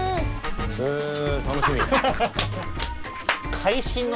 え楽しみ。